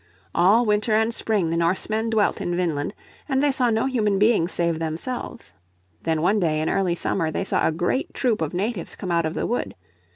All winter and spring the Norsemen dwelt in Vineland, and they saw no human beings save themselves. Then one day in early summer they saw a great troop of natives come out of the wood.